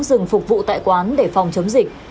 dừng phục vụ tại quán để phòng chống dịch